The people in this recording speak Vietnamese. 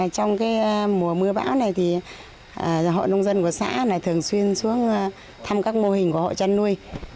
trong mùa mưa bão này hộ nông dân của xã thường xuyên xuống thăm các mô hình của hộ chăn nuôi